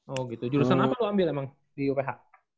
oh gitu jurusan apa lo ambil emang di uph